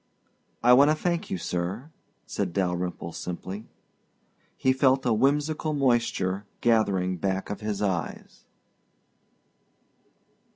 "I want to thank you, sir," said Dalyrimple simply. He felt a whimsical moisture gathering back of his eyes.